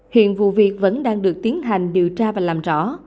hiện vụ việc vẫn đang được tiến hành điều tra và làm rõ